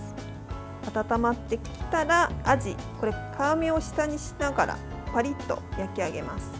温まってきたらアジ、皮目を下にしながらパリッと焼き上げます。